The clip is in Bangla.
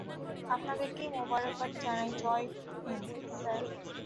আপনাদেরকেই মোবারকবাদ জানাই জয় হিন্দ, স্যার!